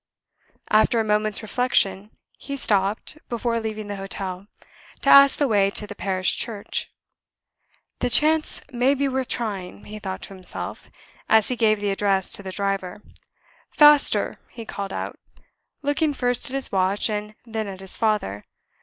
After a moment's reflection, he stopped, before leaving the hotel, to ask the way to the parish church. "The chance may be worth trying," he thought to himself, as he gave the address to the driver. "Faster!" he called out, looking first at his watch, and then at his father.